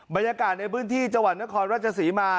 บรรยากาศในพื้นที่จัศนครรภ์ราชสีมา